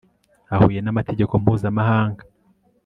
ahuye n'amategeko mpuzamahanga